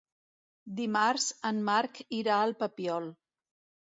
Dimarts en Marc irà al Papiol.